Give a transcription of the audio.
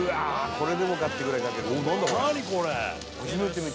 これでもかってぐらいかけてる。